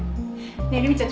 ねえルミちゃん